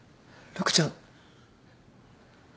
陸ちゃん